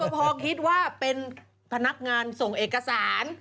คุณรับประพอคิดว่าเป็นพนักงานส่งเอกสาร